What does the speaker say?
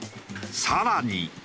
更に。